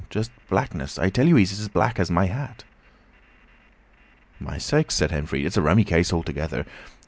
Just blackness. I tell you, he's as black as my hat." "My sakes!" said Henfrey. "It's a rummy case altogether.